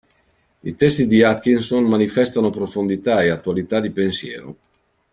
I testi di Atkinson manifestano profondità e attualità di pensiero.